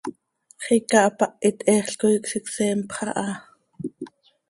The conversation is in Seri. Xiica hapahit heexl coi hsicseenpx aha.